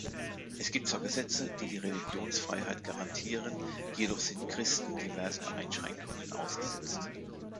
Es gibt zwar Gesetze, die die Religionsfreiheit garantieren, jedoch sind Christen diversen Einschränkungen ausgesetzt.